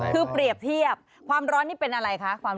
คือเปรียบเทียบความร้อนนี่เป็นอะไรคะ